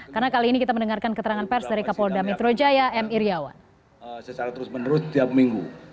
karena kali ini kita mendengarkan keterangan pers dari kapolda mitrojaya m iryawan